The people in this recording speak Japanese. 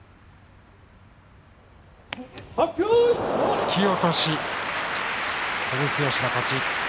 突き落とし、照強の勝ち。